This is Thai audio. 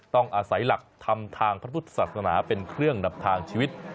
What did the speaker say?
ต้องอาศัยหลักทำทางพระพุทธศาสนาเป็นเครื่องดับทางชีวิต